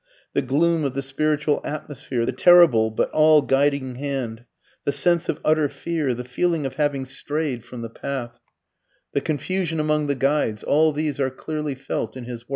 The gloom of the spiritual atmosphere, the terrible, but all guiding hand, the sense of utter fear, the feeling of having strayed from the path, the confusion among the guides, all these are clearly felt in his works.